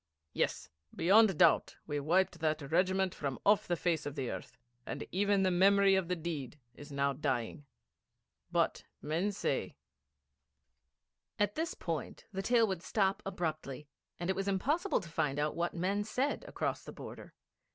Yes, beyond doubt we wiped that regiment from off the face of the earth, and even the memory of the deed is now dying. But men say ' At this point the tale would stop abruptly, and it was impossible to find out what men said across the border.